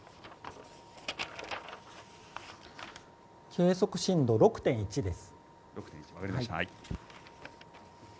計測震度６．１です。